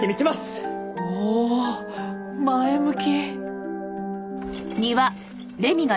おお前向き！